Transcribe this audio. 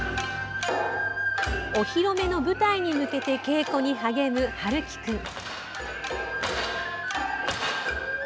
お披露目の舞台に向けて稽古に励む、陽喜君。